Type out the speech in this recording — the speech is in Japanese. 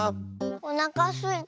おなかすいた。